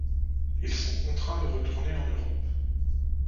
Ils sont contraints de retourner en Europe.